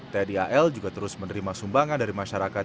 tni al juga terus menerima sumbangan dari masyarakat